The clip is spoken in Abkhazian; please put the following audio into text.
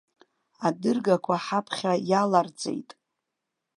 Адыргақәа ҳаԥхьа иаларҵеит.